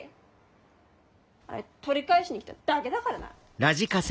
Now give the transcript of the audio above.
あれ取り返しに来ただけだからな。